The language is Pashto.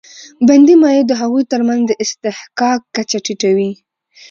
بندي مایع د هغوی تر منځ د اصطحکاک کچه ټیټوي.